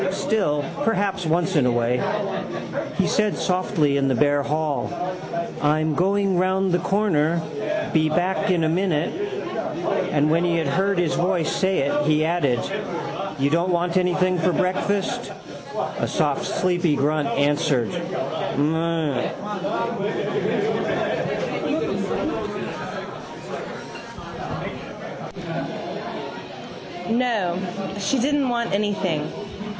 Still perhaps: once in a way. He said softly in the bare hall: —I'm going round the corner. Be back in a minute. And when he had heard his voice say it he added: —You don't want anything for breakfast? A sleepy soft grunt answered: —Mn. No. She didn't want anything.